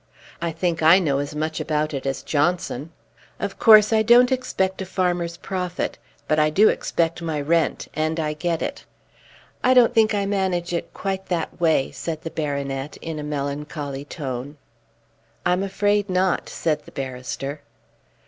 I think I know as much about it as Johnson. Of course, I don't expect a farmer's profit; but I do expect my rent, and I get it." "I don't think I manage it quite that way," said the baronet in a melancholy tone. "I'm afraid not," said the barrister.